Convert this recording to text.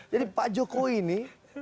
jadi pak jokowi ini